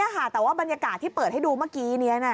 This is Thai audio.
แต่ว่าบรรยากาศที่เปิดให้ดูเมื่อกี้นี้